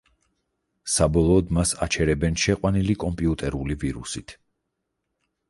საბოლოოდ მას აჩერებენ შეყვანილი კომპიუტერული ვირუსით.